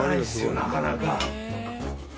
なかなか。